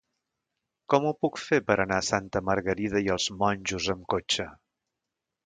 Com ho puc fer per anar a Santa Margarida i els Monjos amb cotxe?